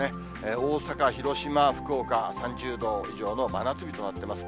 大阪、広島、福岡は３０度以上の真夏日となっています。